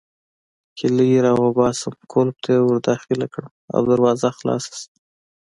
کیلۍ راوباسم، قلف ته يې ورداخله کړم او دروازه خلاصه شي.